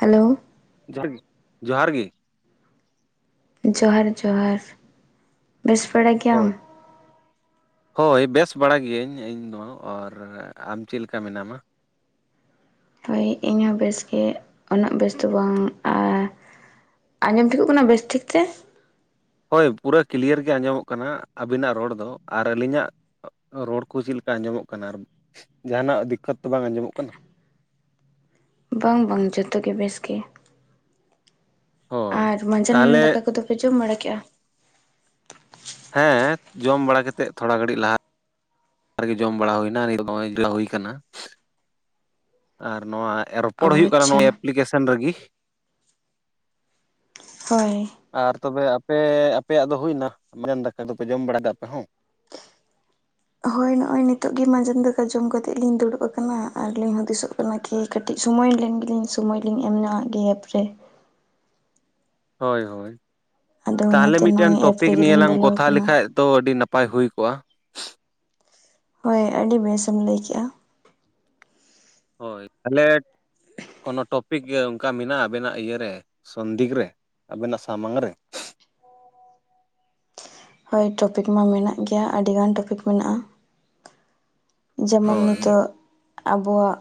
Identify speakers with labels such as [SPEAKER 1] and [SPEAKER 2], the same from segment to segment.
[SPEAKER 1] Hello
[SPEAKER 2] ᱡᱚᱦᱟᱨ ᱜᱤ ᱡᱚᱦᱟᱨ ᱜᱤ
[SPEAKER 1] ᱡᱚᱦᱟᱨ ᱡᱚᱦᱟᱨ ᱵᱮᱥ ᱵᱟᱲᱟ
[SPEAKER 2] ᱦᱳᱭ
[SPEAKER 1] ᱜᱮᱭᱟᱢ?
[SPEAKER 2] ᱦᱳᱭ ᱵᱮᱥ ᱵᱟᱲᱟ ᱜᱤᱭᱟᱹᱧ ᱤᱧᱫᱚ ᱟᱨ ᱟᱢ ᱪᱮᱫ ᱞᱮᱠᱟ ᱢᱮᱱᱟᱢᱟ?
[SPEAKER 1] ᱦᱳᱭ ᱤᱧ ᱦᱚᱸ ᱵᱮᱥ ᱜᱮ ᱩᱱᱟᱹᱜ ᱵᱮᱥ ᱫᱚ ᱵᱟᱝ ᱟᱨ ᱟᱸᱡᱚᱢ ᱴᱷᱤᱠᱚᱜ ᱠᱟᱱᱟ ᱵᱮᱥ ᱴᱷᱤᱠ ᱛᱮ
[SPEAKER 2] ᱦᱳᱭ ᱯᱩᱨᱟᱹ ᱠᱞᱤᱭᱟᱨ ᱜᱮ ᱟᱸᱡᱚᱢᱚᱜ ᱠᱟᱱᱟ ᱟᱹᱵᱤᱱᱟᱜ ᱨᱚᱲ ᱫᱚ ᱟᱨ ᱟᱹᱞᱤᱧᱟᱜ ᱨᱚᱲ ᱠᱩ ᱪᱮᱫ ᱞᱮᱠᱟ ᱟᱸᱡᱚᱢᱚᱜ ᱠᱟᱱᱟ ᱟᱨ ᱡᱟᱦᱱᱟᱜ ᱫᱤᱠᱠᱟᱹᱛ ᱵᱟᱝ ᱟᱸᱡᱚᱢᱚᱜ ᱠᱟᱱᱟ᱾
[SPEAKER 1] ᱵᱟᱝ ᱵᱟᱝ ᱡᱚᱛᱚ ᱜᱮ ᱵᱮᱥ ᱜᱮ
[SPEAKER 2] ᱦᱳᱭ
[SPEAKER 1] ᱟᱨ ᱢᱟᱸᱡᱟᱱ
[SPEAKER 2] ᱛᱟᱦᱚᱞᱮ
[SPEAKER 1] ᱫᱟᱠᱟ ᱠᱚᱫᱚᱯᱮ ᱡᱚᱢ ᱵᱟᱲᱟ ᱠᱮᱫᱼᱟ?
[SPEAKER 2] ᱦᱮᱸ ᱡᱚᱢ ᱵᱟᱲᱟ ᱠᱟᱛᱮᱫ ᱛᱷᱚᱲᱟ ᱜᱷᱟᱹᱲᱤᱡ ᱞᱟᱦᱟ ᱨᱮᱜᱮ ᱡᱚᱢ ᱵᱟᱲᱟ ᱦᱩᱭᱱᱟ ᱱᱤᱛ ᱫᱚ ᱱᱚᱜᱼᱚᱭ ᱡᱤᱨᱟᱹᱣ ᱦᱩᱭ ᱠᱟᱱᱟ ᱟᱨ ᱱᱚᱣᱟ
[SPEAKER 1] ᱚ
[SPEAKER 2] ᱨᱚᱯᱚᱲ ᱦᱩᱭᱩᱜ ᱠᱟᱱᱟ
[SPEAKER 1] ᱟᱪᱪᱷᱟ
[SPEAKER 2] ᱱᱚᱜᱼᱚᱭ ᱮᱯᱞᱤᱠᱮᱥᱚᱱ ᱨᱮᱜᱤ
[SPEAKER 1] ᱦᱳᱭ
[SPEAKER 2] ᱟᱨ ᱛᱚᱵᱮ ᱟᱯᱮ ᱟᱯᱮᱭᱟᱜ ᱫᱚ ᱦᱩᱭᱱᱟ ᱢᱮᱱ ᱫᱟᱠᱟ ᱫᱚᱯᱮ ᱡᱚᱢ ᱵᱟᱲᱟ ᱠᱮᱫᱟ ᱟᱯᱮ ᱦᱚᱸ
[SPEAKER 1] ᱦᱳᱭ ᱱᱚᱜᱼᱚᱭ ᱱᱤᱛᱚᱜ ᱜᱮ ᱢᱟᱡᱟᱱ ᱫᱟᱠᱟ ᱡᱚᱢ ᱠᱟᱛᱮᱜ ᱞᱤᱧ ᱫᱩᱲᱩᱵ ᱟᱠᱟᱱᱟ ᱟᱨᱞᱤᱧ ᱦᱩᱫᱤᱥᱚᱜ ᱚᱱᱟᱠᱤ ᱠᱟᱹᱴᱤᱡ ᱥᱳᱢᱚᱭ ᱞᱮᱱ ᱜᱮᱞᱤᱧ ᱥᱳᱢᱚᱭ ᱞᱤᱧ ᱮᱢ ᱧᱚᱜᱼᱟᱜ ᱮᱯ ᱨᱮ᱾
[SPEAKER 2] ᱦᱳᱭ ᱦᱳᱭ
[SPEAKER 1] ᱟᱫᱚ
[SPEAKER 2] ᱛᱟᱦᱚᱞᱮ
[SPEAKER 1] ᱚᱱᱟᱛᱮ
[SPEAKER 2] ᱢᱤᱫᱴᱮᱱ
[SPEAKER 1] ᱱᱚᱜᱼᱚᱭ ᱮᱯ
[SPEAKER 2] ᱴᱚᱯᱤᱠ ᱱᱤᱭᱟᱹ
[SPEAKER 1] ᱨᱮᱜᱮᱞᱤᱧ
[SPEAKER 2] ᱞᱟᱝ
[SPEAKER 1] ᱵᱚᱞᱚ
[SPEAKER 2] ᱠᱚᱛᱷᱟ
[SPEAKER 1] ᱟᱠᱟᱱᱟ
[SPEAKER 2] ᱞᱮᱠᱷᱟᱡ ᱛᱚ ᱟᱹᱰᱤ ᱱᱟᱯᱟᱭ ᱦᱩᱭ ᱠᱚᱜᱼᱟ
[SPEAKER 1] ᱦᱳᱭ ᱟᱹᱰᱤ ᱵᱮᱥᱮᱢ ᱞᱟᱹᱭ ᱠᱮᱫᱼᱟ᱾
[SPEAKER 2] ᱦᱳᱭ ᱛᱟᱦᱚᱞᱮ ᱠᱳᱱᱳ ᱴᱚᱯᱤᱠ ᱜᱮ ᱚᱝᱠᱟ ᱢᱮᱱᱟᱜᱼᱟ ᱟᱵᱮᱱᱟᱜ ᱤᱭᱟᱹᱨᱮ ᱥᱚᱱᱫᱤᱠ ᱨᱮ ᱟᱵᱮᱱᱟᱜ ᱥᱟᱢᱟᱝ ᱨᱮ
[SPEAKER 1] ᱦᱳᱭ ᱴᱚᱯᱤᱠ ᱢᱟ ᱢᱮᱱᱟᱜ ᱜᱮᱭᱟ ᱟᱹᱰᱤ ᱜᱟᱱ ᱴᱚᱯᱤᱠ ᱢᱮᱱᱟᱜᱼᱟ᱾ ᱡᱮᱢᱚᱱ
[SPEAKER 2] ᱦᱳᱭ
[SPEAKER 1] ᱱᱤᱛᱚᱜ ᱟᱵᱚᱣᱟᱜ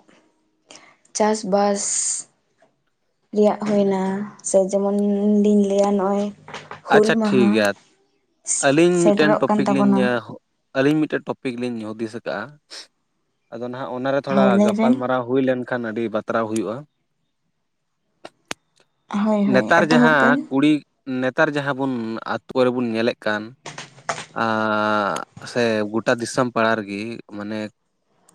[SPEAKER 1] ᱪᱟᱥᱵᱟᱥ ᱨᱮᱭᱟᱜ ᱦᱩᱭᱱᱟ ᱥᱮ ᱡᱮᱢᱚᱱᱞᱤᱧ ᱞᱟᱹᱭᱟ ᱱᱚᱜᱼᱚᱭ ᱦᱩᱞ
[SPEAKER 2] ᱟᱪᱷᱟ ᱴᱷᱤᱠ
[SPEAKER 1] ᱢᱟᱦᱟ
[SPEAKER 2] ᱜᱮᱭᱟ ᱟᱹᱞᱤᱧ ᱢᱤᱫᱴᱮᱱ
[SPEAKER 1] ᱥᱮᱴᱮᱨᱚᱜ ᱠᱟᱱ
[SPEAKER 2] ᱴᱚᱯᱤᱠ ᱞᱤᱧ
[SPEAKER 1] ᱛᱟᱵᱚᱱᱟ
[SPEAKER 2] ᱟᱹᱞᱤᱧ ᱢᱤᱫᱴᱮᱜ ᱴᱚᱯᱤᱠ ᱞᱤᱧ ᱦᱩᱫᱤᱥ ᱠᱟᱜᱼᱟ ᱟᱫᱚ ᱱᱟᱦᱟᱜ ᱚᱱᱟᱨᱮ ᱛᱷᱚᱲᱟ
[SPEAKER 1] ᱦᱳᱭ ᱞᱟᱹᱭ
[SPEAKER 2] ᱜᱟᱯᱟᱞ
[SPEAKER 1] ᱵᱮᱱ
[SPEAKER 2] ᱢᱟᱨᱟᱣ ᱦᱩᱭ ᱞᱮᱱᱠᱷᱟᱱ ᱟᱹᱰᱤ ᱵᱟᱛᱨᱟᱣ ᱦᱩᱭᱩᱜᱼᱟ
[SPEAKER 1] ᱦᱳᱭ ᱦᱳᱭ
[SPEAKER 2] ᱱᱮᱛᱟᱨ
[SPEAKER 1] ᱮᱛᱚᱦᱚᱵ
[SPEAKER 2] ᱡᱟᱦᱟᱸ
[SPEAKER 1] ᱵᱮᱱ
[SPEAKER 2] ᱠᱩᱲᱤ ᱱᱮᱛᱟᱨ ᱡᱟᱦᱟᱸ ᱵᱩᱱ ᱟᱛᱳ ᱨᱮᱵᱩᱱ ᱧᱮᱞᱮᱫ ᱠᱟᱱ ᱟᱸᱜ ᱥᱮ ᱜᱚᱴᱟ ᱫᱤᱥᱚᱢ ᱯᱟᱲᱟ ᱨᱮᱜᱤ ᱢᱟᱱᱮ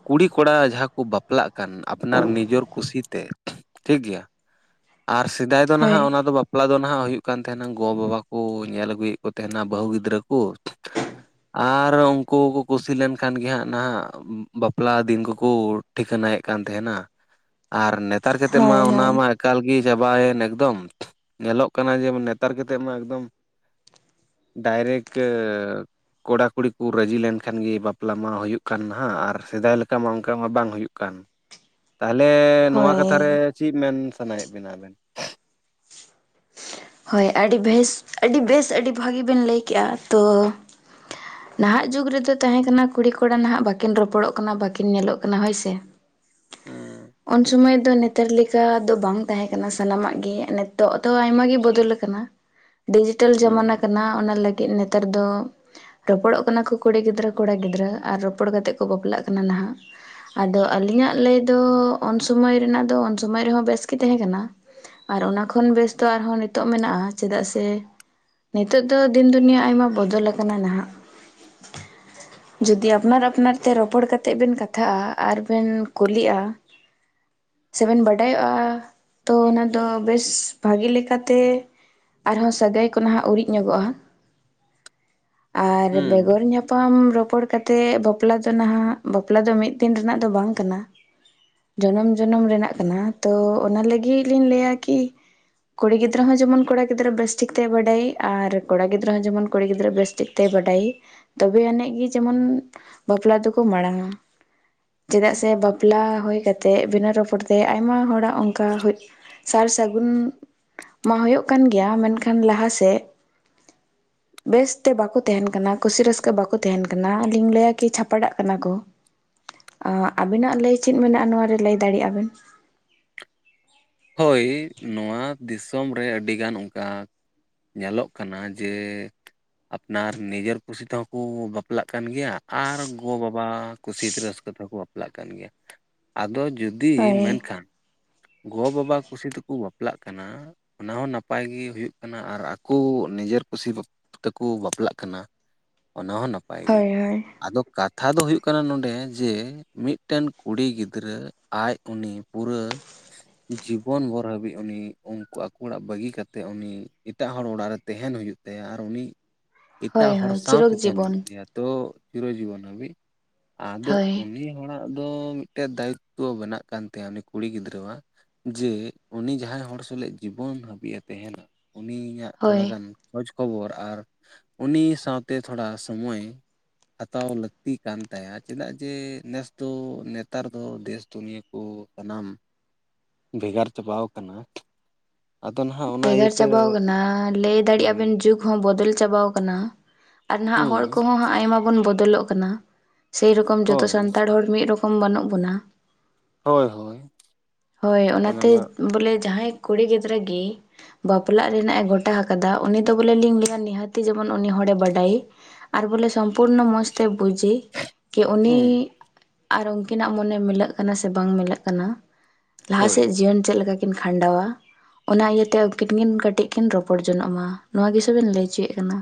[SPEAKER 2] ᱠᱩᱲᱤ ᱠᱚᱲᱟ ᱡᱟᱦᱟᱸ ᱠᱚ ᱵᱟᱯᱞᱟᱜ ᱠᱟᱱ ᱟᱯᱱᱟᱨ ᱱᱤᱡᱚᱨ ᱠᱩᱥᱤᱛᱮ ᱴᱷᱤᱠ ᱜᱮᱭᱟ ᱟᱨ ᱥᱮᱫᱟᱭ ᱫᱚ
[SPEAKER 1] ᱦᱳᱭ
[SPEAKER 2] ᱱᱟᱦᱟᱜ ᱚᱱᱟ ᱫᱚ ᱵᱟᱯᱞᱟ ᱫᱚ ᱱᱟᱦᱟᱜ ᱦᱩᱭᱩᱜ ᱠᱟᱱ ᱛᱟᱦᱮᱱᱟ ᱜᱚ ᱵᱟᱵᱟ ᱠᱩ ᱧᱮᱞ ᱟᱹᱜᱩᱭᱮᱫ ᱠᱩ ᱛᱟᱦᱮᱸᱱᱟ ᱵᱟᱹᱦᱩ ᱜᱤᱫᱽᱨᱟᱹ ᱠᱩ ᱟᱨ ᱩᱝᱠᱩ ᱠᱩ ᱠᱩᱥᱤ ᱞᱮᱱᱠᱷᱟᱱ ᱜᱮ ᱦᱟᱸᱜ ᱱᱟᱦᱟᱜ ᱵᱟᱯᱞᱟ ᱫᱤᱱ ᱠᱩ ᱠᱩ ᱴᱷᱤᱠᱟᱹᱱᱟᱭᱮᱫ ᱠᱟᱱ ᱛᱟᱦᱮᱱᱟ ᱟᱨ ᱱᱮᱛ ᱱᱮᱛᱟᱨ ᱠᱟᱛᱮᱜ ᱢᱟ
[SPEAKER 1] ᱦᱳᱭ
[SPEAKER 2] ᱚᱱᱟ
[SPEAKER 1] ᱦᱳᱭ
[SPEAKER 2] ᱢᱟ ᱮᱠᱟᱞ ᱜᱮ ᱪᱟᱵᱟᱭᱮᱱ ᱮᱠᱫᱚᱢ ᱧᱮᱞᱚᱜ ᱠᱟᱱᱟ ᱡᱮ ᱵᱚᱞᱮ ᱛᱟᱨ ᱠᱟᱛᱮᱫ ᱢᱟ ᱮᱠᱫᱚᱢ ᱰᱟᱭᱨᱮᱴ ᱠᱚᱲᱟ ᱠᱩᱲᱤ ᱠᱚ ᱨᱟᱹᱡᱤ ᱞᱮᱱᱠᱷᱟᱱ ᱜᱮ ᱵᱟᱯᱞᱟ ᱢᱟ ᱦᱩᱭᱩᱜ ᱠᱟᱱ ᱱᱟᱦᱟᱜ ᱟᱨ ᱥᱮᱫᱟᱭ ᱞᱮᱠᱟ ᱢᱟ ᱚᱱᱠᱟ ᱢᱟ ᱵᱟᱝ ᱦᱩᱭᱩᱜ ᱠᱟᱱ᱾ ᱛᱟᱦᱚᱞᱮ ᱱᱚᱣᱟ
[SPEAKER 1] ᱦᱳᱭ
[SPEAKER 2] ᱠᱟᱛᱷᱟ ᱨᱮ ᱪᱤᱫ ᱢᱮᱱ ᱥᱟᱱᱟᱭᱮᱫ ᱵᱮᱱᱟ ᱟᱵᱮᱱ
[SPEAKER 1] ᱦᱳᱭ ᱟᱹᱰᱤ ᱵᱮᱥ ᱟᱹᱰᱤ ᱵᱮᱥ ᱟᱹᱰᱤ ᱵᱷᱟᱹᱜᱤ ᱵᱮᱱ ᱞᱟᱹᱭ ᱠᱮᱜᱼᱟ ᱛᱳ ᱱᱟᱦᱟᱜ ᱡᱩᱜᱽ ᱨᱮᱫᱚ ᱛᱟᱦᱮᱸ ᱠᱟᱱᱟ ᱠᱩᱲᱤ ᱠᱚᱲᱟ ᱱᱟᱦᱟᱜ ᱵᱟᱹᱠᱤᱱ ᱨᱚᱯᱚᱲᱚᱜ ᱠᱟᱱᱟ ᱵᱟᱹᱠᱤᱱ ᱧᱮᱞᱚᱜ ᱠᱟᱱᱟ ᱦᱳᱭ ᱥᱮ
[SPEAKER 2] ᱦᱮᱸ
[SPEAKER 1] ᱩᱱ ᱥᱩᱢᱟᱹᱭ ᱫᱚ ᱱᱮᱛᱟᱨ ᱞᱮᱠᱟ ᱫᱚ ᱵᱟᱝ ᱛᱟᱦᱮᱸ ᱠᱟᱱᱟ ᱥᱟᱱᱟᱢᱟᱜ ᱜᱮ ᱱᱤᱛᱚᱜ ᱫᱚ ᱟᱭᱢᱟ ᱜᱮ ᱵᱚ ᱫᱚᱞ ᱟᱠᱟᱱᱟ ᱰᱤᱡᱤᱴᱮᱞ
[SPEAKER 2] ᱦᱩᱸ
[SPEAKER 1] ᱡᱟᱢᱟᱱᱟ ᱠᱟᱱᱟ ᱚᱱᱟ ᱞᱟᱹᱜᱤᱫ ᱱᱮᱛᱟᱨ ᱫᱚ ᱨᱚᱯᱚᱲᱚᱜ ᱠᱟᱱᱟ ᱠᱚ ᱠᱩᱲᱤ ᱜᱤᱫᱽᱨᱟᱹ ᱠᱚᱲᱟ ᱜᱤᱫᱽᱨᱟᱹ ᱟᱨ ᱨᱚᱯᱚᱲ ᱠᱟᱛᱮᱜ ᱠᱚ ᱵᱟᱯᱞᱟᱜ ᱠᱟᱱᱟ ᱱᱟᱦᱟᱜ ᱟᱫᱚ ᱟᱹᱞᱤᱧᱟᱜ ᱞᱟᱹᱭ ᱫᱚ ᱩᱱ ᱥᱚᱢᱚᱭ ᱨᱮᱱᱟᱜ ᱫᱚ ᱩᱱ ᱥᱚᱢᱚᱭ ᱨᱮᱦᱚᱸ ᱵᱮᱥ ᱜᱮ ᱛᱟᱦᱮᱸ ᱠᱟᱱᱟ ᱟᱨ ᱚᱱᱟ ᱠᱷᱚᱱ ᱵᱮᱥ ᱫᱚ ᱟᱨᱦᱚᱸ ᱱᱤᱛᱚᱜ ᱢᱮᱱᱟᱜᱼᱟ ᱪᱮᱫᱟᱜ ᱥᱮ ᱱᱤᱛᱚᱜ ᱫᱚ ᱫᱤᱱ ᱫᱩᱱᱤᱭᱟᱹ ᱟᱭᱢᱟ ᱵᱚᱫᱚᱞ ᱟᱠᱟᱱᱟ ᱱᱟᱦᱟᱜ
[SPEAKER 2] [unintelligible]
[SPEAKER 1] ᱡᱩᱫᱤ ᱟᱯᱱᱟᱨ ᱟᱯᱱᱟᱨ ᱛᱮ ᱨᱚᱯᱚᱲ ᱠᱟᱛᱮᱫ ᱵᱮᱱ ᱠᱟᱛᱷᱟᱜᱼᱟ ᱟᱨ ᱵᱮᱱ ᱠᱩᱞᱤᱜᱼᱟ ᱥᱮ ᱵᱮᱱ ᱵᱟᱰᱟᱭᱚᱜᱼᱟ ᱛᱚ ᱚᱱᱟ ᱫᱚ ᱵᱮᱥ ᱵᱷᱟᱜᱤ ᱞᱮᱠᱟ ᱛᱮ ᱟᱨᱦᱚᱸ ᱥᱟᱹᱜᱟᱭ ᱠᱚ ᱱᱟᱦᱟᱜ ᱩᱨᱤᱡ ᱧᱚᱜᱚᱜᱼᱟ ᱟᱨ
[SPEAKER 2] ᱦᱩᱸ
[SPEAKER 1] ᱵᱮᱜᱚᱨ ᱧᱟᱯᱟᱢ ᱨᱚᱯᱚᱲ ᱠᱟ ᱛᱮ ᱵᱟᱯᱞᱟ ᱫᱚ ᱱᱟᱦᱟᱜ ᱵᱟᱯᱞᱟ ᱫᱚ ᱢᱤᱫ ᱫᱤᱱ ᱨᱮᱱᱟᱜ ᱫᱚ ᱵᱟᱝ ᱠᱟᱱᱟ ᱡᱚᱱᱚᱢ ᱡᱚᱱᱚᱢ ᱨᱮᱱᱟᱜ ᱠᱟᱱᱟ ᱛᱚ ᱚᱱᱟ ᱞᱟᱹᱜᱤᱫ ᱞᱤᱧ ᱞᱟᱹᱭᱟ ᱠᱤ ᱠᱩᱲᱤ ᱜᱤᱫ ᱫᱽᱨᱟᱹ ᱦᱚᱸ ᱡᱮᱢᱚᱱ ᱠᱚᱲᱟ ᱜᱤᱫᱽᱨᱟᱹ ᱵᱮᱥ ᱴᱷᱤᱠᱛᱮ ᱵᱟᱰᱟᱭᱮ ᱟᱨ ᱠᱚᱲᱟ ᱜᱤᱫᱽᱨᱟᱹ ᱦᱚᱸ ᱡᱮᱢᱚᱱ ᱠᱩᱲᱤ ᱜᱤᱫᱽᱨᱟᱹ ᱵᱮᱥ ᱴᱷᱤᱠᱛᱮ ᱵᱟᱰᱟᱭᱮ ᱛᱚᱵᱮ ᱟᱹᱱᱤᱡ ᱜᱮ ᱡᱮᱢᱚᱱ ᱵᱟᱯᱞᱟ ᱫᱚᱠᱚ ᱢᱟᱲᱟᱝᱼᱟ ᱪᱮᱫᱟᱜ ᱥᱮ ᱵᱟᱯᱞᱟ ᱦᱩᱭ ᱠᱟᱛᱮᱫ ᱵᱤᱱᱟᱹ ᱨᱚᱯᱚᱲ ᱛᱮ ᱟᱭᱢᱟ ᱦᱚᱲᱟᱜ ᱚᱱᱠᱟ ᱥᱟᱨ ᱥᱟᱹᱜᱩᱱ ᱢᱟ ᱦᱩᱭᱩᱜ ᱠᱟᱱ ᱜᱮᱭᱟ ᱢᱮᱱᱠᱷᱟᱱ ᱞᱟᱦᱟᱥᱮᱫ
[SPEAKER 2] [unintelligible]
[SPEAKER 1] ᱵᱮᱥ ᱛᱮ ᱵᱟᱠᱚ ᱛᱟᱦᱮᱱ ᱠᱟᱱᱟ ᱠᱩᱥᱤ ᱨᱟᱹᱥᱠᱟᱹ ᱵᱟᱠᱚ ᱛᱟᱦᱮᱱ ᱠᱟᱱᱟ ᱟᱞᱤᱧ ᱞᱟᱹᱭᱟ ᱠᱤ ᱪᱷᱟᱯᱟᱰᱟᱜ ᱠᱟᱱᱟ ᱠᱚ ᱟ ᱟᱹᱵᱤᱱᱟᱜ ᱞᱟᱹᱭ ᱪᱮᱫ ᱢᱮᱱᱟᱜᱼᱟ ᱱᱚᱣᱟ ᱨᱮ ᱞᱟᱹᱭ ᱫᱟᱲᱮᱭᱟᱜᱼᱟ ᱵᱤᱱ
[SPEAKER 2] ᱦᱳᱭ ᱱᱚᱣᱟ ᱫᱤᱥᱚᱢ ᱨᱮ ᱟᱹᱰᱤᱜᱟᱱ ᱚᱱᱠᱟ ᱧᱮᱞᱚᱜ ᱠᱟᱱᱟ ᱡᱮ ᱟᱯᱱᱟᱨ ᱱᱤᱡᱮᱨ ᱠᱩᱥᱤ ᱛᱮᱦᱚᱸ ᱠᱩ ᱵᱟᱯᱞᱟᱜ ᱠᱟᱱ ᱜᱮᱭᱟ ᱟᱨ ᱜᱚᱼᱵᱟᱵᱟ ᱠᱩᱥᱤ ᱛᱮ ᱨᱟᱹᱥᱠᱟᱹ ᱛᱮᱦᱚᱸ ᱠᱚ ᱵᱟᱯᱞᱟᱜ ᱠᱟᱱ ᱜᱮᱭᱟ ᱟᱫᱚ ᱡᱩᱫᱤ
[SPEAKER 1] ᱦᱳᱭ
[SPEAKER 2] ᱢᱮᱱᱠᱷᱟᱱ ᱜᱚ-ᱵᱟᱵᱟ ᱠᱩᱥᱤ ᱛᱮᱠᱚ ᱵᱟᱯᱞᱟᱜ ᱠᱟᱱᱟ ᱚᱱᱟ ᱦᱚᱸ ᱱᱟᱯᱟᱭ ᱜᱮ ᱦᱩᱭᱩᱜ ᱠᱟᱱᱟ ᱟᱨ ᱟᱠᱚ ᱱᱤᱡᱮᱨ ᱠᱩᱥᱤ ᱛᱮᱠᱚ ᱵᱟᱯᱞᱟᱜ ᱠᱟᱱᱟ ᱚᱱᱟ ᱦᱚᱸ ᱱᱟᱯᱟᱭ ᱜᱮ
[SPEAKER 1] ᱦᱳᱭ ᱦᱳᱭ
[SPEAKER 2] ᱟᱫᱚ ᱠᱟᱛ ᱷᱟ ᱫᱚ ᱦᱩᱭᱩᱜ ᱠᱟᱱᱟ ᱱᱚᱰᱮ ᱡᱮ ᱢᱤᱫᱴᱮᱱ ᱠᱩᱲᱤ ᱜᱤᱫᱽᱨᱟᱹ ᱟᱡ ᱩᱱᱤ ᱯᱩᱨᱟᱹ ᱡᱤᱵᱚᱱ ᱵᱷᱚᱨ ᱦᱟᱹᱵᱤᱡ ᱩᱱᱤ ᱩᱱᱠᱩ ᱟᱠᱚ ᱚᱲᱟᱜ ᱵᱟᱹᱜᱤ ᱠᱟᱛᱮᱜ ᱩᱱᱤ ᱮᱴᱟᱜ ᱦᱚᱲ ᱚᱲᱟᱜ ᱨᱮ ᱛᱟᱦᱮᱱ ᱦᱩᱭᱩᱜ ᱛᱟᱭᱟ ᱟᱨ ᱩᱱᱤ
[SPEAKER 1] ᱦᱳᱭ ᱦᱳᱭ
[SPEAKER 2] ᱮᱴᱟᱜ ᱦᱚᱲ
[SPEAKER 1] ᱦᱳᱭ ᱪᱤᱨᱚᱠ
[SPEAKER 2] ᱥᱟᱶᱛᱮ ᱛᱟᱦᱮᱱ
[SPEAKER 1] ᱡᱤᱵᱚᱱ
[SPEAKER 2] ᱦᱩᱭᱩᱜ ᱛᱟᱭᱟ ᱛᱚ ᱪᱤᱨᱚ ᱡᱤᱵᱚᱱ ᱦᱟᱵᱤᱡ ᱟᱫᱚ
[SPEAKER 1] ᱦᱳᱭ
[SPEAKER 2] ᱩᱱᱤ ᱦᱚᱲᱟᱜ ᱟᱫᱚ ᱢᱤᱫᱴᱮᱱ ᱫᱟᱭᱤᱠᱛᱚ ᱵᱮᱱᱟᱜ ᱠᱟᱱ ᱛᱟᱭᱟ ᱩᱱᱤ ᱠᱩᱲᱤ ᱜᱤᱫᱽᱨᱟᱹᱣᱟᱜ ᱡᱮ ᱩᱱᱤ ᱡᱟᱦᱟᱸᱭ ᱦᱚᱲ ᱥᱟᱞᱟᱜ ᱡᱤᱵᱚᱱ ᱦᱟᱹᱵᱤᱡᱼ ᱮ ᱛᱟᱦᱮᱱᱟ ᱩᱱᱤᱭᱟᱜ ᱛᱷᱚᱲᱟ
[SPEAKER 1] ᱦᱳᱭ
[SPEAKER 2] ᱜᱟᱱ ᱠᱷᱚᱡᱽ ᱠᱷᱚᱵᱚᱨ ᱟᱨ ᱩᱱᱤ ᱥᱟᱶᱛᱮ ᱛᱷᱚᱲᱟ ᱥᱚᱢᱚᱭ ᱦᱟᱛᱟᱣ ᱞᱟᱹᱠᱛᱤ ᱠᱟᱱ ᱛᱟᱭᱟ ᱪᱮᱫᱟᱜ ᱡᱮ ᱱᱮᱥ ᱫᱚ ᱱᱮᱛᱟᱨ ᱫᱚ ᱫᱮᱥ ᱫᱩᱱᱤᱭᱟᱹ ᱠᱩ ᱥᱟᱱᱟᱢ ᱵᱷᱮᱜᱟᱨ ᱪᱟᱵᱟᱣ ᱟᱠᱟᱱᱟ
[SPEAKER 1] ᱵᱷᱮᱜᱟᱨ ᱪᱟᱵᱟᱣ ᱠᱟᱱᱟ ᱞᱟᱹᱭ ᱫᱟᱲᱮᱭᱟᱜᱼᱟ
[SPEAKER 2] ᱦᱳᱭ
[SPEAKER 1] ᱵᱮᱱ ᱡᱩᱜᱽ ᱦᱚᱸ ᱵᱚᱫᱚᱞ ᱪᱟᱵᱟ ᱠᱟᱱᱟ ᱟᱨ ᱱᱟᱦᱟᱜ ᱦᱚᱲ
[SPEAKER 2] ᱦᱩᱸ
[SPEAKER 1] ᱠᱚᱦᱚ ᱦᱟᱸᱜ ᱟᱭᱢᱟ ᱵᱚᱱ ᱵᱚᱫᱚᱞᱚᱜ ᱠᱟᱱᱟ ᱥᱮᱨᱚᱠᱚᱢ ᱡᱚᱛᱚ
[SPEAKER 2] ᱦᱳᱭ
[SPEAKER 1] ᱥᱟᱱᱛᱟᱲ ᱦᱚᱲ ᱢᱤᱫ ᱨᱚᱠᱚᱢ ᱵᱟᱹᱱᱩᱜ ᱵᱚᱱᱟ
[SPEAKER 2] ᱦᱳᱭ ᱦᱳᱭ
[SPEAKER 1] ᱦᱳᱭ
[SPEAKER 2] ᱚᱱᱟ
[SPEAKER 1] ᱚᱱᱟᱛᱮ
[SPEAKER 2] ᱢᱟ
[SPEAKER 1] ᱵᱚᱞᱮ ᱡᱟᱦᱟᱸᱭ ᱠᱩᱲᱤ ᱜᱤᱫᱽᱨᱟᱹ ᱜᱤ ᱵᱟᱯᱞᱟᱜ ᱨᱮᱱᱟᱜ ᱮ ᱜᱚᱴᱟ ᱟᱠᱟᱫᱟ ᱩᱱᱤ ᱫᱚ ᱵᱚᱞᱮ ᱞᱤᱧ ᱞᱟᱹᱭᱟ ᱱᱤᱦᱟᱹᱛᱤ ᱡᱮᱢᱚᱱ ᱩᱱᱤ ᱦᱚᱲᱮ ᱵᱟᱰᱟᱭᱮ ᱟᱨ ᱵᱚᱞᱮ ᱥᱚᱢᱯᱩᱨᱱᱚ ᱢᱚᱡᱽ ᱛᱮ ᱵᱩᱡᱮ ᱠᱤ ᱩᱱᱤ
[SPEAKER 2] ᱦᱩᱸ
[SPEAKER 1] ᱟᱨ ᱩᱱᱠᱤᱱᱟᱜ ᱢᱚᱱᱮ ᱢᱤᱞᱟᱹᱜ ᱠᱟᱱᱟ ᱥᱮ ᱵᱟᱝ ᱢᱤᱞᱟᱹᱜ ᱠᱟᱱᱟ ᱞᱟᱦᱟ
[SPEAKER 2] ᱦᱳᱭ
[SPEAKER 1] ᱥᱮᱫ ᱡᱤᱭᱚᱱ ᱪᱮᱫ ᱞᱮᱠᱟ ᱠᱤᱱ ᱠᱷᱟᱸᱰᱟᱣᱟ ᱚᱱᱟ ᱤᱭᱟᱹ ᱩᱱᱠᱤᱱ ᱠᱤᱱ ᱠᱟᱹᱴᱤᱡ ᱠᱤᱱ ᱨᱚᱯᱚᱲ ᱡᱚᱱᱚᱜ ᱢᱟ ᱱᱚᱣᱟ ᱜᱮ ᱥᱩᱫᱷᱩᱧ ᱞᱟᱹᱭ ᱚᱪᱚᱭᱮᱫ ᱠᱟᱱᱟ᱾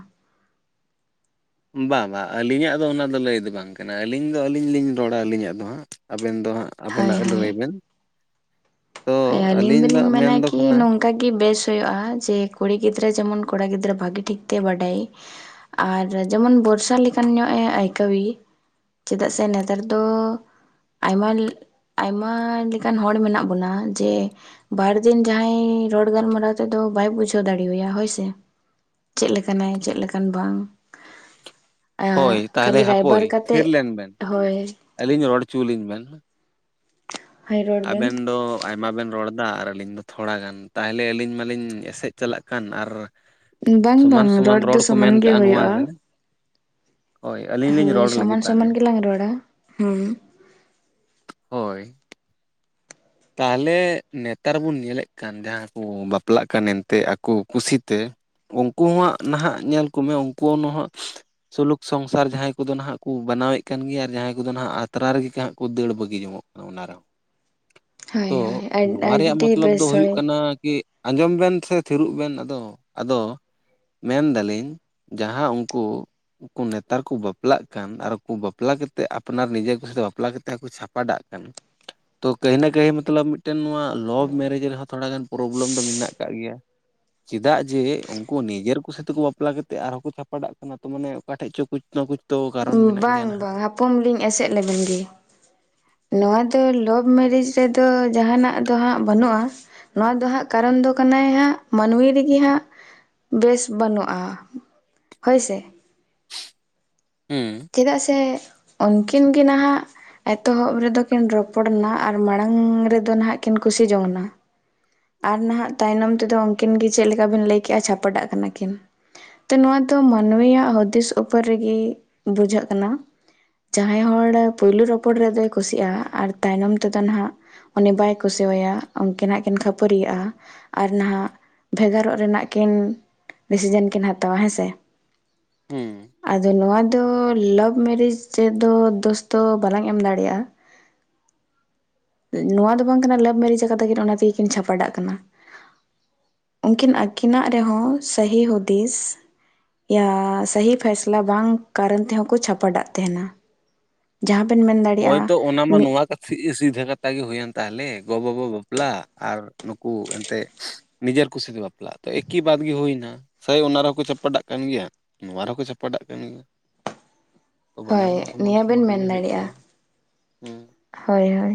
[SPEAKER 2] ᱵᱟᱝ ᱵᱟᱝ ᱟᱹᱞᱤᱧᱟᱜ ᱫᱚ ᱚᱱᱟ ᱫᱚ ᱞᱟᱹᱭ ᱫᱚ ᱵᱟᱝ ᱠᱟᱱᱟ ᱟᱹᱞᱤᱧ ᱫᱚ ᱟᱹᱞᱤᱧ ᱞᱤᱧ ᱨᱚᱲᱟ ᱟᱹᱞᱤᱧᱟᱜ ᱫᱚ ᱦᱟᱸᱜ ᱟᱵᱮᱱ ᱫᱚ ᱦᱟᱸᱜ
[SPEAKER 1] ᱦᱳᱭ
[SPEAKER 2] ᱟᱵᱮᱱᱟᱜ
[SPEAKER 1] ᱦᱳᱭ
[SPEAKER 2] ᱞᱟᱹᱭ ᱵᱮᱱ ᱛᱚ
[SPEAKER 1] ᱦᱳᱭ ᱟᱹᱞᱤᱧ
[SPEAKER 2] ᱫᱚ
[SPEAKER 1] ᱫᱚᱞᱤᱧ ᱢᱮᱱᱟ
[SPEAKER 2] ᱢᱮᱱᱫᱚ
[SPEAKER 1] ᱠᱤ
[SPEAKER 2] ᱠᱟᱱᱟ
[SPEAKER 1] ᱱᱚᱝ ᱠᱟ ᱜᱮ ᱵᱮᱥ ᱦᱳᱭᱳᱜᱼᱟ, ᱡᱮ ᱠᱩᱲᱤ ᱜᱤᱫᱽᱨᱟᱹ ᱡᱮᱢᱚᱱ ᱠᱚᱲᱟ ᱜᱤᱫᱽᱨᱟᱹ ᱵᱷᱟᱜᱤ ᱴᱷᱤᱠ ᱛᱮ ᱵᱟᱰᱟᱭ ᱟᱨ ᱡᱮᱢᱚᱱ ᱵᱷᱚᱨᱥᱟ ᱞᱮᱠᱟᱱ ᱧᱚᱜ ᱮ ᱟᱹᱭᱠᱟᱹᱣᱤ ᱪᱮᱫᱟᱜ ᱥᱮ ᱱᱮᱛᱟᱨ ᱫᱚ ᱟᱭᱢᱟ ᱟᱭᱢᱟ ᱞᱮᱠᱟᱱ ᱦᱚᱲ ᱢᱮᱱᱟᱜ ᱵᱚᱱᱟ ᱡᱮ ᱵᱟᱨ ᱫᱤᱱ ᱡᱟᱦᱟᱸᱭ ᱨᱚᱲ ᱜᱟᱞᱢᱟᱨᱟᱣ ᱛᱮᱫᱚ ᱵᱟᱭ ᱵᱩᱡᱷᱟᱹᱣ ᱫᱟᱲᱮᱣᱟᱭᱟ ᱦᱳᱭ ᱥᱮ ᱪᱮᱫ ᱞᱮᱠᱟᱱᱟᱭ ᱪᱮᱫ ᱞᱮᱠᱟᱱ ᱵᱟᱝ
[SPEAKER 2] ᱦᱳᱭ ᱛᱟᱦᱚᱞᱮ
[SPEAKER 1] ᱠᱷᱟᱞᱤ
[SPEAKER 2] ᱦᱟᱯᱳᱭ
[SPEAKER 1] ᱨᱟᱭᱵᱟᱨ
[SPEAKER 2] ᱛᱷᱤᱨ
[SPEAKER 1] ᱠᱟᱛᱮᱫ
[SPEAKER 2] ᱞᱮᱱ ᱵᱮᱱ
[SPEAKER 1] ᱦᱳᱭ
[SPEAKER 2] ᱟᱹᱞᱤᱧ ᱨᱚᱲ ᱚᱪᱩᱞᱤᱧ ᱵᱮᱱ᱾
[SPEAKER 1] ᱦᱳᱭ ᱨᱚᱲ ᱵᱮᱱ
[SPEAKER 2] ᱟᱵᱮᱱ ᱫᱚ ᱟᱭᱢᱟ ᱵᱮᱱ ᱨᱚᱲ ᱫᱟ ᱟᱨ ᱟᱹᱞᱤᱧ ᱫᱚ ᱛᱷᱚᱲᱟ ᱜᱟᱱ ᱛᱟᱦᱚᱞᱮ ᱟᱹᱞᱤᱧ ᱢᱟᱞᱤᱧ ᱮᱥᱮᱫ ᱪᱟᱞᱟᱜ ᱠᱟᱱ ᱟᱨ
[SPEAKER 1] ᱵᱟᱝ
[SPEAKER 2] ᱥᱚᱢᱟᱱ
[SPEAKER 1] ᱵᱟᱝ
[SPEAKER 2] ᱥᱚᱢᱟᱱ
[SPEAKER 1] ᱫᱚ
[SPEAKER 2] ᱨᱚᱲ ᱠᱚ ᱢᱮᱱ
[SPEAKER 1] ᱥᱚᱢᱟᱱ ᱜᱮ
[SPEAKER 2] ᱠᱟᱜᱼᱟ ᱱᱚᱣᱟ ᱨᱮ᱾
[SPEAKER 1] ᱦᱩᱭᱩᱜᱼᱟ
[SPEAKER 2] ᱦᱳᱭ ᱟᱹᱞᱤᱧ ᱞᱤᱧ
[SPEAKER 1] ᱦᱳᱭ
[SPEAKER 2] ᱨᱚᱲ ᱞᱟᱹᱜᱤᱫ
[SPEAKER 1] ᱥᱚᱢᱟᱱ
[SPEAKER 2] ᱛᱟᱦᱚᱞᱮ
[SPEAKER 1] ᱥᱚᱢᱟᱱ ᱜᱮᱞᱟᱝ ᱨᱚᱲᱟ ᱦᱩᱸ
[SPEAKER 2] ᱦᱳᱭ ᱛᱟᱦᱚᱞᱮ ᱱᱮᱛᱟᱨ ᱵᱩᱱ ᱧᱮᱞᱮᱫ ᱠᱟᱱ ᱡᱟᱦᱟᱸ ᱠᱩ ᱵᱟᱯᱞᱟᱜ ᱠᱟᱱ ᱮᱱᱛᱮ ᱟᱠᱚ ᱠᱩᱥᱤᱛᱮ ᱩᱱᱠᱩ ᱦᱚᱸ ᱱᱟᱦᱟᱜ ᱧᱮᱞ ᱠᱚᱢᱮ ᱩᱱᱠᱩ ᱦᱚ ᱱᱚᱦᱚᱜ ᱥᱩᱞᱩᱠ ᱥᱚᱝᱥᱟᱨ ᱡᱟᱦᱟᱸᱭ ᱠᱚᱫᱚ ᱱᱟᱦᱟᱜ ᱠᱩ ᱵᱮᱱᱟᱣᱮᱜ ᱠᱟᱱ ᱜᱮᱭᱟ ᱟᱨ ᱡᱟᱦᱟᱸᱭ ᱠᱚᱫᱚ ᱱᱟᱦᱟᱜ ᱟᱛᱨᱟ ᱨᱮᱜᱮ ᱦᱟᱸᱜ ᱠᱚ ᱫᱟᱹᱲ ᱵᱟᱹᱜᱤ ᱡᱚᱝᱜᱚᱜ [unintelligible]
[SPEAKER 1] ᱦᱳᱭ
[SPEAKER 2] ᱛᱚ
[SPEAKER 1] ᱦᱳᱭ
[SPEAKER 2] ᱱᱚᱣᱟ ᱨᱮᱭᱟᱜ
[SPEAKER 1] ᱟᱹᱰᱤ
[SPEAKER 2] ᱢᱚᱛᱞᱚᱵ ᱫᱚ
[SPEAKER 1] ᱵᱮᱥ
[SPEAKER 2] ᱦᱩᱭᱩᱜ
[SPEAKER 1] ᱦᱳᱭ
[SPEAKER 2] ᱠᱟᱱᱟ ᱠᱤ ᱟᱸᱡᱚᱢ ᱵᱮᱱ ᱥᱮ ᱛᱷᱤᱨᱚᱜ ᱵᱮᱱ ᱟᱫᱚ ᱟᱫᱚ ᱢᱮᱱ ᱫᱟᱞᱤᱧ ᱡᱟᱦᱟᱸ ᱩᱱᱠᱩ ᱩᱱᱡᱩ ᱱᱮᱛᱟᱨ ᱠᱚ ᱵᱟᱯᱞᱟᱜ ᱠᱟᱱ ᱟᱨᱠᱩ ᱵᱟᱯᱞᱟᱠᱟᱛᱮ ᱟᱯᱱᱟᱨ ᱱᱤᱡᱮ ᱠᱩᱥᱤ ᱛᱮ ᱵᱟᱯᱞᱟ ᱠᱟᱛᱮ ᱦᱚᱠᱚ ᱪᱷᱟᱯᱟᱰᱟᱜ ᱠᱟᱱ ᱛᱚ ᱠᱟᱹᱦᱤᱱᱟ ᱠᱟᱹᱭ ᱢᱚᱛᱞᱚᱵ ᱢᱤᱫᱴᱮᱱ ᱱᱚᱣᱟ ᱞᱚᱵᱷ ᱢᱮᱨᱮᱡᱽ ᱨᱮᱦᱚᱸ ᱛᱷᱚᱲᱟ ᱜᱟᱱ ᱯᱨᱚᱵᱞᱮᱢ ᱫᱚ ᱢᱮᱱᱟᱜ ᱟᱠᱟᱜ ᱜᱮᱭᱟ᱾ ᱪᱮᱫᱟᱜ ᱡᱮ ᱩᱱᱠᱩ ᱱᱤᱡᱮᱨ ᱠᱩ ᱥᱟᱛᱮ ᱠᱩ ᱵᱟᱯᱞᱟ ᱠᱟᱛᱮ ᱟᱨᱦᱚᱸ ᱠᱚ ᱪᱷᱟᱯᱟᱰᱟᱜ ᱠᱟᱱᱟ ᱛᱚ ᱢᱟᱱᱮ ᱚᱠᱟ ᱴᱷᱮᱡ ᱪᱚ ᱠᱩᱪ ᱱᱟ ᱠᱩᱪ ᱛᱚ ᱠᱟᱨᱚᱱ ᱢᱮᱱᱟᱜ ᱜᱮᱭᱟ ᱱᱟᱦᱟᱜ
[SPEAKER 1] ᱛᱷᱩᱠᱩᱢ ᱞᱤᱧ ᱮᱥᱮᱫ ᱞᱮᱵᱮᱱ ᱜᱤ ᱱᱚᱣᱟ ᱫᱚ ᱞᱚᱵᱷ ᱢᱮᱨᱮᱡᱽ ᱨᱮᱫᱚ ᱡᱟᱦᱟᱱᱟᱜ ᱫᱚ ᱦᱟᱸᱜ ᱵᱟᱹᱱᱩᱜᱼᱟ ᱱᱚᱣᱟ ᱫᱚ ᱦᱟᱸᱜ ᱠᱟᱨᱚᱱ ᱫᱚ ᱠᱟᱱᱟᱭ ᱦᱟᱸᱜ ᱢᱟᱹᱱᱢᱤ ᱨᱮᱜᱮ ᱦᱟᱸᱜ ᱵᱮᱥ ᱵᱟᱹᱱᱩᱜᱼᱟ ᱦᱳᱭ ᱥᱮ
[SPEAKER 2] ᱦᱩᱸ
[SPEAKER 1] ᱪᱮᱫᱟᱜ ᱥᱮ ᱩᱱᱠᱤᱱ ᱜᱮ ᱱᱟᱦᱟᱜ ᱮᱛᱚᱦᱚᱵ ᱨᱮᱫᱚ ᱠᱤᱱ ᱨᱚᱯᱚᱲ ᱮᱱᱟ ᱟᱨ ᱢᱟᱲᱟᱝ ᱨᱮᱫᱚ ᱱᱟᱦᱟᱜ ᱠᱤᱱ ᱠᱩᱥᱤ ᱡᱚᱝᱱᱟ ᱟᱨ ᱱᱟᱦᱟᱜ ᱛᱟᱭᱱᱚᱢ ᱛᱮᱫᱚ ᱩᱱᱠᱤᱱ ᱜᱮ ᱪᱮᱫ ᱞᱮᱠᱟ ᱵᱤᱱ ᱞᱟᱹᱭ ᱠᱮᱜᱼᱟ ᱪᱷᱟᱯᱟᱰᱟᱜ ᱠᱟᱱᱟ ᱠᱤᱱ᱾ ᱛᱚ ᱱᱚᱣᱟ ᱫᱚ ᱢᱟᱹᱱᱢᱤᱭᱟᱜ ᱦᱩᱫᱤᱥ ᱩᱯᱚᱨ ᱨᱮᱜᱮ ᱵᱩᱡᱷᱟᱹᱜ ᱠᱟᱱᱟ᱾ ᱡᱟᱦᱟᱸᱭ ᱦᱚᱲ ᱯᱳᱭᱞᱳ ᱨᱚᱯᱚᱲ ᱨᱮᱫᱚᱭ ᱠᱩᱥᱤᱜᱼᱟ ᱟᱨ ᱛᱟᱭᱱᱚᱢ ᱛᱮᱫᱚ ᱱᱟᱦᱟᱜ ᱩᱱᱤ ᱵᱟᱭ ᱠᱩᱥᱤᱣᱟᱭᱟ ᱩᱱᱠᱤᱱ ᱦᱟᱜ ᱠᱤᱱ ᱠᱷᱟᱹᱯᱟᱹᱨᱤᱭᱟᱜᱼᱟ᱾ ᱟᱨ ᱱᱟᱦᱟᱜ ᱵᱷᱮᱜᱟᱨᱚᱜ ᱨᱮᱱᱟᱜ ᱠᱤᱱ ᱰᱤᱥᱤᱥᱮᱱ ᱠᱤᱱ ᱦᱟᱛᱟᱣᱟ ᱦᱮᱸ ᱥᱮ
[SPEAKER 2] ᱦᱩᱸ
[SPEAKER 1] ᱟᱫᱚ ᱱᱚᱣᱟ ᱫᱚ ᱞᱟᱵᱷ ᱢᱮᱨᱮᱡᱽ ᱨᱮᱫᱚ ᱫᱳᱥ ᱫᱚ ᱵᱟᱞᱟᱝ ᱮᱢ ᱫᱟᱲᱮᱭᱟᱜᱼᱟ᱾ ᱱᱚᱣᱟ ᱫᱚ ᱵᱟᱝ ᱠᱟᱱᱟ ᱞᱟᱵᱷ ᱢᱮᱨᱮᱡᱽ ᱟᱠᱟᱫᱟ ᱠᱤᱱ ᱚᱱᱟ ᱛᱮᱜᱮ ᱠᱤᱱ ᱪᱷᱟᱯᱟᱰᱟᱜ ᱠᱟᱱᱟ᱾ ᱩᱱᱠᱤᱱ ᱟᱹᱠᱤᱱᱟᱜ ᱨᱮᱦᱚᱸ ᱥᱟᱹᱦᱤ ᱦᱩᱫᱤᱥ ᱭᱟ ᱥᱟᱹᱦᱤ ᱯᱷᱟᱭᱥᱞᱟ ᱵᱟᱝ ᱠᱟᱨᱚᱱ ᱛᱮᱦᱚᱸ ᱠᱚ ᱪᱷᱟᱯᱟᱰᱟᱜ ᱛᱟᱦᱮᱱᱟ᱾ ᱡᱟᱦᱟᱸ ᱵᱮᱱ ᱢᱮᱱᱫᱟ
[SPEAKER 2] ᱦᱳᱭ ᱛᱚ ᱚᱱᱟ ᱢᱟ ᱱᱚᱣᱟ ᱥᱤᱫᱷᱟᱹ ᱠᱟᱛᱷᱟ ᱜᱮ ᱦᱩᱭᱮᱱ ᱛᱟᱦᱚᱞᱮ ᱜᱚ ᱵᱟᱵᱟ ᱵᱟᱯᱞᱟ ᱟᱨ ᱱᱩᱠᱩ ᱮᱱᱛᱮᱜ ᱱᱤᱡᱮᱨ ᱠᱩᱥᱤ ᱫᱚ ᱵᱟᱯᱞᱟᱜ ᱛᱚ ᱮᱠᱤ ᱵᱟᱫᱽ ᱜᱮ ᱦᱩᱭᱱᱟ ᱥᱮᱭ ᱚᱱᱟ ᱨᱮ ᱦᱚᱸᱠᱚ ᱪᱟᱯᱟᱴᱟᱜ ᱠᱟᱱ ᱜᱮᱭᱟ᱾ ᱱᱚᱣᱟ ᱨᱮ ᱦᱚᱸ ᱠᱚ ᱪᱷᱟᱯᱟᱴᱟᱜ ᱠᱟᱱ ᱜᱮᱭᱟ ᱛᱚ ᱵᱟᱱᱟᱨ
[SPEAKER 1] ᱦᱳᱭ
[SPEAKER 2] ᱢᱟ ᱥᱚᱢᱟᱱ
[SPEAKER 1] ᱱᱤᱭᱟᱹ ᱵᱤᱱ
[SPEAKER 2] ᱥᱚᱢᱟᱱ
[SPEAKER 1] ᱢᱮᱱ
[SPEAKER 2] ᱨᱮᱜᱮ ᱦᱩᱭᱩᱜ
[SPEAKER 1] ᱫᱟᱲᱮᱭᱟᱜᱼᱟ
[SPEAKER 2] ᱛᱟᱵᱚᱱᱟ ᱦᱩᱸ
[SPEAKER 1] ᱦᱳᱭ ᱦᱳᱭ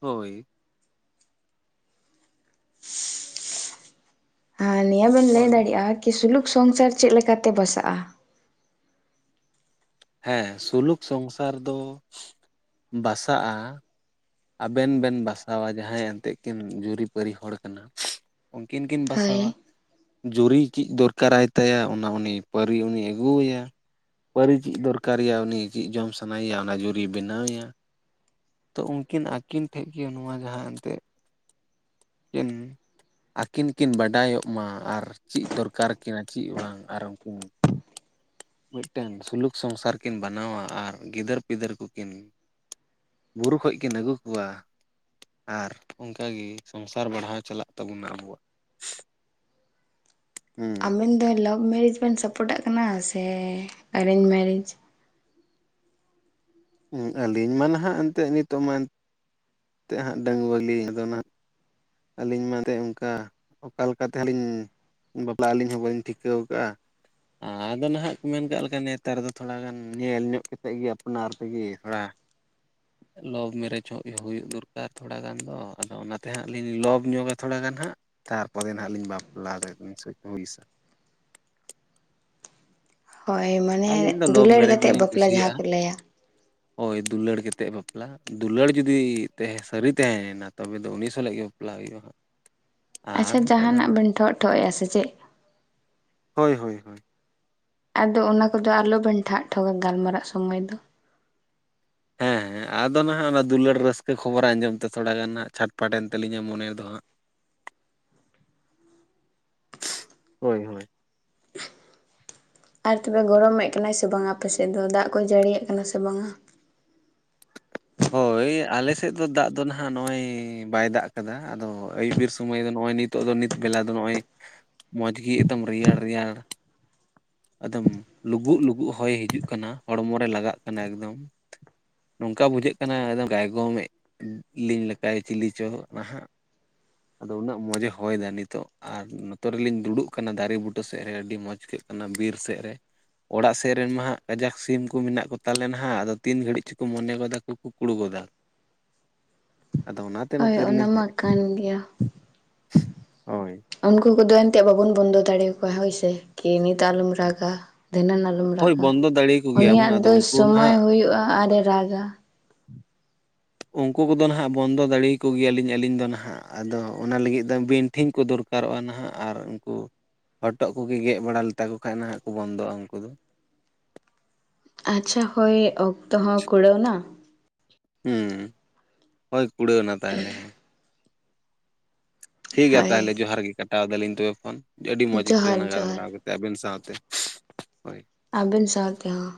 [SPEAKER 2] ᱦᱳᱭ
[SPEAKER 1] ᱟᱨ ᱱᱤᱭᱟᱹ ᱵᱤᱱ ᱞᱟᱹᱭ
[SPEAKER 2] ᱦᱳᱭ
[SPEAKER 1] ᱫᱟᱲᱮᱭᱟᱜᱼᱟ ᱠᱤ ᱥᱩᱞᱩᱠ ᱥᱚᱝᱥᱟᱨ ᱪᱮᱫ ᱞᱮᱠᱟᱛᱮ ᱵᱟᱥᱟᱜᱼᱟ
[SPEAKER 2] ᱦᱮᱸ ᱥᱩᱞᱩᱠ ᱥᱚᱝᱥᱟᱨ ᱫᱚ ᱵᱟᱥᱟᱜᱼᱟ ᱟᱵᱮᱱ ᱵᱮᱱ ᱵᱟᱥᱟᱣᱟ ᱡᱟᱦᱟᱸᱭ ᱮᱱᱛᱮᱜ ᱠᱤᱱ ᱡᱩᱨᱤᱯᱟᱹᱨᱤ ᱦᱚᱲ ᱠᱟᱱᱟ ᱩᱱᱠᱤᱱ ᱠᱤᱱ
[SPEAKER 1] ᱦᱳᱭ
[SPEAKER 2] ᱵᱟᱥᱟᱣᱟ ᱡᱩᱨᱤ ᱪᱮᱫ ᱫᱚᱨᱠᱟᱨᱟᱭ ᱛᱟᱭᱟ ᱚᱱᱟ ᱩᱱᱤ ᱯᱟᱹᱨᱤ ᱩᱱᱤ ᱟᱹᱜᱩᱣᱟᱭᱟ ᱯᱟᱹᱨᱤ ᱪᱮᱫ ᱫᱚᱨᱠᱟᱨᱮᱭᱟ ᱩᱱᱤ ᱪᱮᱫ ᱡᱚᱢ ᱥᱟᱱᱟᱭᱮᱭᱟ ᱚᱱᱟ ᱡᱩᱨᱤᱭ ᱵᱮᱱᱟᱣᱮᱭᱟ ᱛᱚ ᱩᱱᱠᱤᱱ ᱟᱹᱠᱤᱱ ᱴᱷᱮᱱ ᱜᱮ ᱱᱚᱣᱟ ᱡᱟᱦᱟᱸ ᱮᱱᱛᱜ ᱠᱤᱱ ᱟᱹᱠᱤᱱ ᱠᱤᱱ ᱵᱟᱰᱟᱭᱚᱜ ᱢᱟ ᱟᱨ ᱪᱮᱫ ᱫᱚᱨᱠᱟᱨ ᱟᱠᱤᱱᱟ ᱟᱨ ᱪᱮᱫ ᱵᱟᱝ ᱟᱨ ᱩᱱᱠᱤᱱ ᱢᱤᱫᱴᱮᱱ ᱥᱩᱞᱩᱠ ᱥᱚᱝᱥᱟᱨ ᱠᱤᱱ ᱵᱮᱟᱱᱟᱣᱟ ᱟᱨ ᱜᱤᱫᱟᱹᱨ ᱯᱤᱫᱟᱹᱨ ᱠᱚᱠᱤᱱ ᱵᱩᱨᱩ ᱠᱷᱚᱡ ᱠᱤᱱ ᱟᱹᱜᱩ ᱠᱚᱣᱟ ᱟᱨ ᱚᱱᱠᱟᱜᱮ ᱥᱚᱝᱥᱟᱨ ᱵᱟᱲᱦᱟᱣ ᱪᱟᱞᱟᱜ ᱛᱟᱵᱚᱱᱟ ᱟᱵᱚᱣᱟᱜ ᱦᱮᱸ
[SPEAKER 1] ᱟᱵᱮᱱ ᱫᱚ ᱞᱟᱵᱷ ᱢᱮᱨᱮᱧᱡ ᱵᱮᱱ ᱥᱟᱯᱚᱴᱟᱜ ᱠᱟᱱᱟ ᱥᱮ ᱮᱨᱮᱧᱡᱽ ᱢᱮᱨᱮᱧᱡ
[SPEAKER 2] ᱟᱹᱞᱤᱧ ᱢᱟ ᱱᱟᱦᱟᱜ ᱮᱱᱛᱮᱫ ᱱᱤᱛᱚᱜ ᱢᱟ ᱮᱛᱮᱫ ᱦᱟᱸᱜ ᱰᱟᱹᱝᱣᱟᱹᱞᱤ ᱟᱫᱚ ᱱᱟᱜ ᱟᱹᱞᱤᱧ ᱢᱟ ᱮᱱᱛ [unintelligible] ᱚᱱᱠᱟ ᱚᱠᱟᱞᱮᱠᱟ ᱛᱮᱦᱞᱤᱧ ᱵᱟᱯᱞᱟ ᱟᱹᱞᱤᱧ ᱦᱚᱸ ᱵᱟᱹᱞᱤᱧ ᱴᱷᱤᱠᱟᱹᱣ ᱟᱠᱟᱫᱼᱟ ᱟᱫᱚ ᱱᱟᱦᱟᱜ ᱠᱚ ᱢᱮᱱ ᱠᱟᱜ ᱞᱮᱠᱟ ᱱᱮᱛᱟᱨ ᱫᱚ ᱛᱷᱚᱲᱟ ᱜᱟᱱ ᱧᱮᱞ ᱧᱚᱜ ᱠᱟᱛᱮᱫ ᱜᱮ ᱟᱯᱱᱟᱨ ᱛᱮᱜᱮ ᱛᱷᱚᱲᱟ ᱞᱚᱵᱷ ᱢᱮᱨᱮᱡᱽ ᱦᱩᱭ ᱫᱚᱨᱠᱟᱨ ᱛᱷᱚᱲᱟ ᱜᱟᱱ ᱫᱚ ᱟᱫᱚ ᱚᱱᱟᱛᱮ ᱦᱟᱸᱜ ᱞᱤᱧ ᱞᱚᱵᱷ ᱧᱚᱜᱟ ᱛᱷᱚᱲᱟ ᱜᱟᱱ ᱦᱟᱸᱜ ᱛᱟᱨᱯᱚᱨᱮ ᱦᱟᱸᱟᱜ ᱞᱤᱧ ᱵᱟᱯᱞᱟ ᱫᱚᱧ ᱦᱩᱭᱤᱥᱟ
[SPEAKER 1] ᱦᱚᱭ ᱢᱟᱱ [inaudible]
[SPEAKER 2] ᱟᱹᱞᱤᱧ ᱫᱚ ᱞᱳᱵᱷ ᱢᱮᱨᱮᱡᱽ ᱜᱮᱞᱤᱧ ᱠᱩᱥᱤᱭᱟᱜᱼᱟ
[SPEAKER 1] ᱞᱟᱹᱭᱟ
[SPEAKER 2] ᱦᱳᱭ ᱫᱩᱞᱟᱹᱲ ᱠᱟᱛᱮᱫ ᱵᱟᱯᱞᱟ ᱫᱩᱞᱟᱹᱲ ᱡᱩᱫᱤ ᱛᱟᱦᱮᱸ ᱥᱟᱹᱨᱤ ᱛᱟᱦᱮᱸᱭᱮᱱᱟ ᱛᱚᱵᱮ ᱫᱚ ᱩᱱᱤ ᱥᱟᱞᱟᱜ ᱜᱮ ᱵᱟᱯᱞᱟ ᱦᱩᱭᱩᱜᱼᱟ ᱦᱟᱸᱜ ᱟᱨ
[SPEAKER 1] ᱟᱪᱪᱷᱟ
[SPEAKER 2] ᱵᱟᱠᱷᱟᱡ ᱫᱚ
[SPEAKER 1] ᱡᱟᱦᱟᱱᱟᱜ
[SPEAKER 2] ᱱᱟᱦᱟᱜ
[SPEAKER 1] ᱵᱮᱱ ᱴᱷᱚᱜ ᱴᱷᱚᱜ ᱮᱼᱟ ᱥᱮ ᱪᱮᱫ
[SPEAKER 2] ᱦᱳᱭ ᱦᱳᱭ ᱦᱳᱭ
[SPEAKER 1] ᱟᱫᱚ ᱚᱱᱟ ᱠᱚᱫᱚ ᱟᱞᱚᱵᱮᱱ ᱴᱷᱟᱜ ᱴᱷᱚᱜᱟ ᱜᱟᱞᱢᱟᱨᱟᱜ ᱥᱚᱢᱚᱭ ᱫᱚ
[SPEAKER 2] ᱦᱮᱸ ᱦᱮᱸ ᱟᱫᱚ ᱱᱟᱦᱟᱜ ᱚᱱᱟ ᱫᱩᱞᱟᱹᱲ ᱨᱟᱹᱥᱠᱟᱹ ᱠᱷᱚᱵᱚᱨᱟ ᱟᱸᱡᱚᱢ ᱛᱮ ᱛᱷᱚᱲᱟ ᱜᱟᱱ ᱦᱟᱜ ᱪᱷᱟᱴᱯᱴᱮᱱ ᱛᱟᱞᱞᱤᱧᱟ ᱢᱚᱱᱮ ᱨᱮᱫᱚ ᱦᱟᱸᱜ ᱦᱳᱭ ᱦᱳᱭ
[SPEAKER 1] ᱟᱨ ᱛᱚᱵᱮ ᱜᱚᱨᱚᱢᱮᱫ ᱠᱟᱱᱟᱭ ᱥᱮ ᱵᱟᱝᱟ ᱟᱯᱮᱥᱮᱫ ᱫᱚ ᱫᱟᱜ ᱠᱚᱭ ᱡᱟᱹᱲᱤᱭᱟᱜ ᱠᱟᱱᱟ ᱥᱮ ᱵᱟᱝᱟ
[SPEAKER 2] ᱦᱳᱭ ᱟᱞᱮᱥᱮᱫ ᱫᱚ ᱫᱟᱜ ᱫᱚ ᱱᱟᱦᱟᱜ ᱱᱚᱜᱼᱚᱭ ᱵᱟᱭ ᱫᱟᱜ ᱟᱠᱟᱫᱟ ᱟᱫᱚ ᱟᱹᱭᱩᱵ ᱵᱮᱨ ᱥᱚᱢᱚᱭ ᱫᱚ ᱱᱚᱜᱼᱚᱭ ᱱᱤᱛ ᱱᱤᱛᱚᱜ ᱫᱚ ᱱᱤᱛ ᱵᱮᱞᱟ ᱫᱚ ᱱᱚᱜᱼᱚᱭ ᱢᱚᱡᱽ ᱜᱮ ᱮᱠᱫᱚᱢ ᱨᱮᱭᱟᱲ ᱨᱮᱭᱟᱲ ᱮᱠᱫᱚᱢ ᱞᱩᱜ ᱞᱩᱜ ᱦᱚᱭ ᱦᱤᱡᱩᱜ ᱠᱟᱱᱟ ᱦᱚᱲᱢᱚ ᱨᱮ ᱞᱟᱜᱟᱜ ᱠᱟᱱᱟ ᱮᱠᱫᱚᱢ ᱱᱚᱝᱠᱟ ᱵᱩᱡᱷᱟᱹᱜ ᱠᱟᱱᱟ ᱮᱠᱫᱚᱢ ᱜᱟᱭᱜᱚᱢ ᱮ ᱞᱤᱧ ᱞᱮᱠᱟᱭ ᱪᱤᱞᱤ ᱦᱚᱪᱚ ᱱᱟᱦᱟᱜ ᱟᱫᱚ ᱩᱱᱟᱹᱜ ᱢᱚᱸᱡᱽᱮ ᱦᱚᱭ ᱫᱟ ᱱᱤᱛᱚᱜ ᱟᱨ ᱱᱚᱛᱮ ᱨᱮᱞᱤᱧ ᱫᱩᱲᱩᱵ ᱠᱟᱱᱟ ᱫᱟᱨᱮ ᱵᱩᱴᱟᱹ ᱥᱮᱫ ᱨᱮ ᱟᱹᱰᱤ ᱢᱚᱡᱽ ᱠᱟᱱᱟ ᱵᱤᱨ ᱥᱮᱫ ᱨᱮ ᱚᱲᱟᱜ ᱥᱮᱫ ᱨᱮᱱ ᱢᱟ ᱦᱟᱜ ᱠᱟᱡᱟᱠ ᱥᱤᱢ ᱠᱚ ᱢᱮᱱᱟᱜ ᱠᱚᱛᱟᱞᱮ ᱱᱟᱦᱟᱜ ᱟᱫᱚ ᱛᱤᱱ ᱜᱷᱟᱹᱲᱤᱡ ᱪᱚᱠᱚ ᱢᱚᱱᱮ ᱜᱚᱫᱟ ᱠᱚ ᱠᱩᱠᱩᱲ ᱜᱚᱫᱟ ᱟᱫᱚ ᱚᱱᱟ
[SPEAKER 1] ᱦᱳᱭ ᱚᱱᱟ ᱢᱟ ᱠᱟᱱ ᱜᱮᱭᱟ
[SPEAKER 2] ᱦᱳᱭ
[SPEAKER 1] ᱩᱱᱠᱩ ᱠᱚᱫᱚ ᱮᱱᱛᱮᱫ ᱵᱟᱵᱚᱱ ᱵᱚᱱᱫᱚ ᱫᱟᱲᱮᱭᱟᱠᱚᱣᱟ ᱦᱳᱭ ᱥᱮ ᱠᱤᱨᱤᱱᱤᱛᱟ ᱟᱞᱚᱢ ᱨᱟᱜᱟ ᱫᱷᱤᱱᱟᱹᱱ ᱟᱞᱚᱢ
[SPEAKER 2] ᱦᱳᱭ
[SPEAKER 1] ᱨᱟᱜᱟ
[SPEAKER 2] ᱵᱚᱱᱫᱚ ᱫᱟᱲᱮᱭᱟᱠᱚ ᱜᱮᱭᱟᱵᱚᱱ
[SPEAKER 1] ᱩᱱᱤᱭᱟᱜ
[SPEAKER 2] ᱟᱫᱚ
[SPEAKER 1] ᱫᱚ
[SPEAKER 2] ᱩᱱᱠᱩ
[SPEAKER 1] ᱥᱚᱢᱳ
[SPEAKER 2] ᱱᱟᱦᱟᱜ
[SPEAKER 1] ᱦᱳᱳᱜᱼᱟ ᱟᱨᱮ ᱨᱟᱜᱟ
[SPEAKER 2] ᱩᱱᱠᱩ ᱠᱚᱫᱚ ᱱᱟᱦᱟᱜ ᱵᱚᱱᱫᱚ ᱫᱟᱲᱮ ᱭᱟᱠᱚ ᱜᱮᱭᱟᱞᱤᱧ ᱟᱹᱞᱤᱧ ᱫᱚ ᱱᱟᱦᱟᱜ ᱟᱫᱚ ᱚᱱᱟ ᱞᱟᱹᱜᱤᱫ ᱫᱚ ᱵᱤᱧ ᱴᱷᱤᱧ ᱠᱚ ᱫᱚᱨ ᱩᱨᱠᱟᱨᱚᱜᱼᱟ ᱱᱟᱦᱟᱜ ᱟᱨ ᱩᱱᱠᱩ ᱦᱚᱴᱚᱜ ᱠᱚ ᱜᱮᱫ ᱵᱟᱲᱟ ᱞᱮᱛᱟ ᱠᱚ ᱠᱷᱟᱡ ᱱᱟᱦᱟᱜ ᱠᱚ ᱵᱚᱱᱫᱚᱜᱼᱟ ᱩᱱᱠᱩ ᱫᱚ
[SPEAKER 1] ᱟᱪᱪᱷᱟ ᱦᱳᱭ ᱚᱠᱛᱚ ᱦᱚᱸ ᱠᱩᱲᱟᱹᱣ ᱮᱱᱟ
[SPEAKER 2] ᱦᱚᱸ ᱦᱳᱭ ᱠᱩᱲᱟᱹᱣ ᱮᱱᱟ ᱛᱟᱦ ᱞᱮ ᱦᱮᱸ ᱴᱷᱤᱠ ᱜᱮᱭᱟ
[SPEAKER 1] ᱦᱳᱭ
[SPEAKER 2] ᱛᱟᱦᱚᱞᱮ ᱡᱚᱦᱟᱨ ᱜᱮ ᱠᱟᱴᱟᱣ ᱫᱟᱞᱤᱧ ᱛᱚᱵᱮ ᱯᱷᱳᱱ ᱟᱹᱰᱤ ᱢᱚᱸᱡᱽ ᱟᱹᱭᱠᱟᱹᱣ
[SPEAKER 1] ᱡᱚᱦᱟᱨ
[SPEAKER 2] ᱱᱟ
[SPEAKER 1] ᱡᱚᱦᱟᱨ
[SPEAKER 2] ᱜᱟᱞᱢᱟᱨᱟᱣ ᱠᱟᱛᱮ᱾ ᱟᱵᱮᱱ ᱥᱟᱶᱛᱮ ᱦᱳᱭ
[SPEAKER 1] ᱟᱵᱮᱱ ᱥᱟᱶᱛᱮ ᱦᱚᱸ